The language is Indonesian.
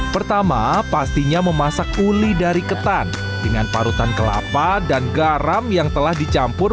pertama pastinya memasak uli dari ketan dengan parutan kelapa dan garam yang telah dicampur